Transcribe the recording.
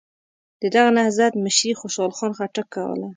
د دغه نهضت مشري خوشحال خان خټک کوله.